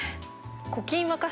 「古今和歌集」？